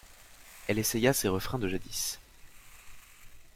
Elle essaya ses refrains de jadis.